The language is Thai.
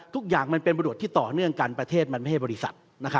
ทุกอย่างมันเป็นบรวจที่ต่อเนื่องกันประเทศมันไม่ใช่บริษัท